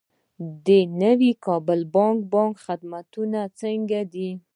د نوي کابل بانک خدمتونه څنګه دي؟